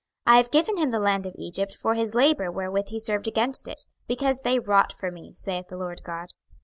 26:029:020 I have given him the land of Egypt for his labour wherewith he served against it, because they wrought for me, saith the Lord GOD.